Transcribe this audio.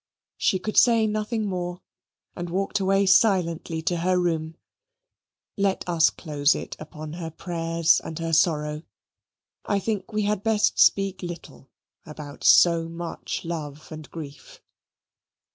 She could say nothing more, and walked away silently to her room. Let us close it upon her prayers and her sorrow. I think we had best speak little about so much love and grief.